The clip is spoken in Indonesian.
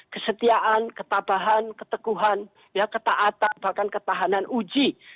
kesetiaan ketabahan keteguhan ketaatan bahkan ketahanan uji